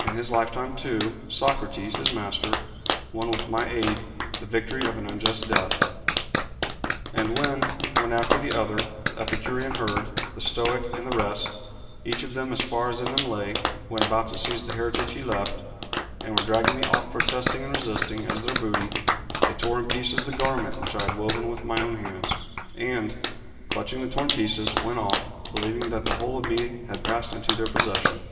In his lifetime, too, Socrates, his master, won with my aid the victory of an unjust death. And when, one after the other, the Epicurean herd, the Stoic, and the rest, each of them as far as in them lay, went about to seize the heritage he left, and were dragging me off protesting and resisting, as their booty, they tore in pieces the garment which I had woven with my own hands, and, clutching the torn pieces, went off, believing that the whole of me had passed into their possession.